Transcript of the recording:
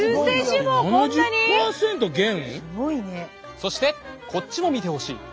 そしてこっちも見てほしい。